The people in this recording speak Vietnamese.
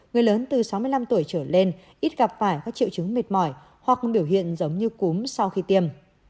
người lớn từ sáu mươi năm tuổi trở lên ít gặp phải các triệu chứng mệt mỏi hoặc biểu hiện giống như cúm sau khi tiêm